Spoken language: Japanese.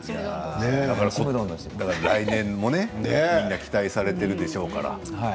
来年も期待されているでしょうから。